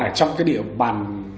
ở trong cái địa bàn